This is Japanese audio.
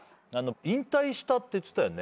引退したって言ってたよね？